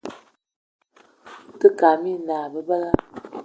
Ote kate minal bebela.